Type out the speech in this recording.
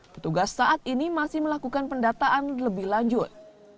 petugas saat ini masih melakukan pendataan lebih lanjut